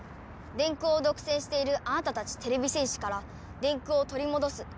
電空をどくせんしているあなたたちてれび戦士から電空をとりもどすと。